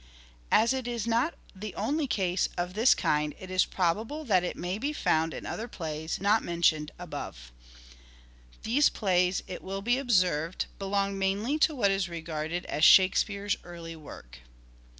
As it is not the only case of this kind it is probable that it may be found in other plays not mentioned above. These plays, it will be observed, belong mainly to what is regarded as Shakespeare's early work.